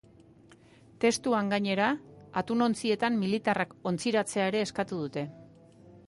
Testuan, gainera, atunontzietan militarrak ontziratzea ere eskatu dute.